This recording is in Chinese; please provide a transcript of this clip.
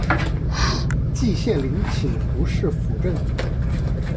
季羡林请胡适斧正。